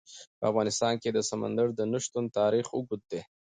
په افغانستان کې د سمندر نه شتون تاریخ اوږد دی.